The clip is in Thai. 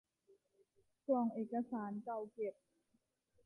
กล่องเอกสารเก่าเก็บ